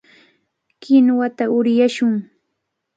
Kinuwata uryashun.